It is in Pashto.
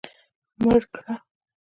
مړ کړه.